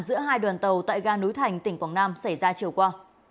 giữa hai đoàn tàu tại ga núi thành tỉnh quảng nam xảy ra chiều qua